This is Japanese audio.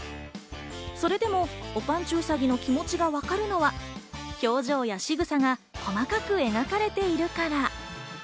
それでも、おぱんちゅうさぎの気持ちがわかるのは、表情やしぐさが細かく描かれているから。